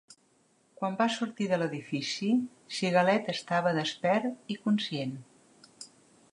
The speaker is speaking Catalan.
Quan va sortir de l'edifici, Sigalet estava despert i conscient.